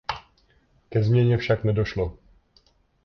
Ke změně však nedošlo.